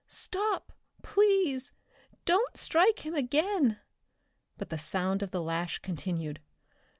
Stop, please! Don't strike him again!" But the sound of the lash continued.